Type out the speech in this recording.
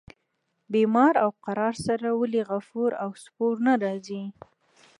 بیمار او قرار سره ولي غفور او سپور نه راځي.